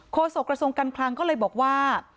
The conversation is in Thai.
โศกระทรวงการคลังก็เลยบอกว่า